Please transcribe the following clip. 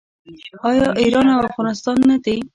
آیا ایران او افغانستان نه دي؟